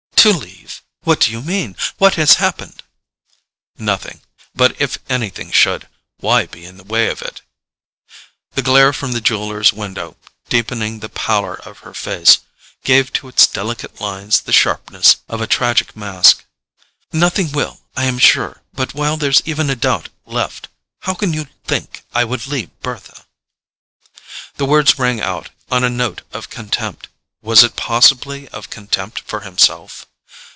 "To leave—? What do you mean? What has happened?" "Nothing. But if anything should, why be in the way of it?" The glare from the jeweller's window, deepening the pallor of her face, gave to its delicate lines the sharpness of a tragic mask. "Nothing will, I am sure; but while there's even a doubt left, how can you think I would leave Bertha?" The words rang out on a note of contempt—was it possibly of contempt for himself?